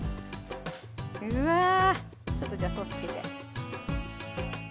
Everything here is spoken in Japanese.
うわちょっとじゃあソースつけて。